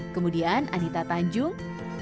kemudian anita tanjung